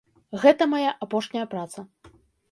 Гэта мая апошняя праца.